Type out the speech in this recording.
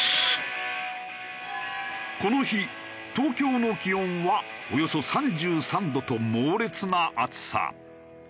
この日東京の気温はおよそ３３度と猛烈な暑さ。